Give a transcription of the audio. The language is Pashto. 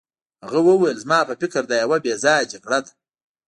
هغه وویل زما په فکر دا یوه بې ځایه جګړه ده.